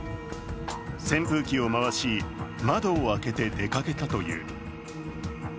扇風機を回し、窓を開けて出かけたという。